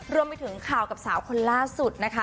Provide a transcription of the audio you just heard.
รวมไปถึงข่าวกับสาวคนล่าสุดนะคะ